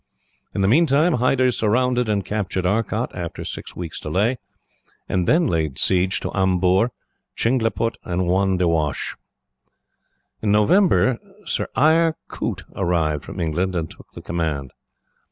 In the meantime, Hyder surrounded and captured Arcot, after six weeks' delay, and then laid siege to Amboor, Chingleput, and Wandiwash. "In November Sir Eyre Coote arrived from England and took the command.